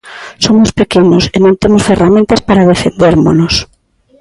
Somos pequenos e non temos ferramentas para defendérmonos.